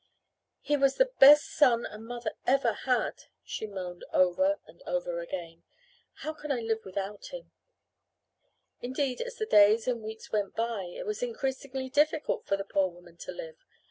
"He was the best son a mother ever had," she moaned over and over again. "How can I live without him!" Indeed, as the days and weeks went by it was increasingly difficult for the poor woman to live.